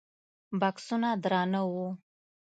بکسونه درانه وو.